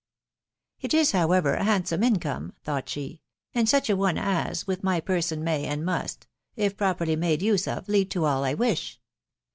" It is, however, a handsome income," thought, she, " and such a one as, with my person, may, and must, if properly made use of, lead to all I wish